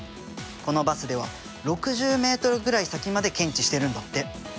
このバスでは６０ｍぐらい先まで検知してるんだって。